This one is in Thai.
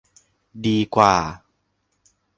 ดีกว่า